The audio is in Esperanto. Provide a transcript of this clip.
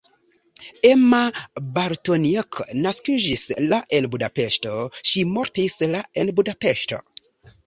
Emma Bartoniek naskiĝis la en Budapeŝto, ŝi mortis la en Budapeŝto.